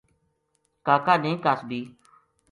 کا کا نے کا صبی